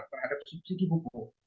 terhadap subsidi pupuk